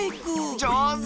じょうず！